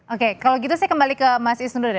oke kalau gitu saya kembali ke mas isnur ya